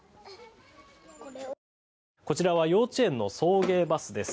こちらは幼稚園の送迎バスです。